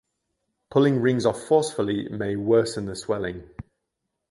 Pulling rings off forcefully may worsen the swelling.